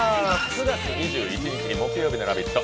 ９月２１日木曜日の「ラヴィット！」